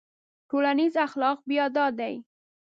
ټولنیز اخلاق بیا دا دي.